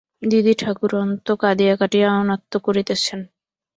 দিদি-ঠাকরুন তো কাঁদিয়া কাটিয়া অনাত্ত করিতেছেন।